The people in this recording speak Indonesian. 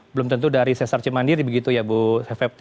belum tentu dari sesar cemandiri begitu ya bu hefepty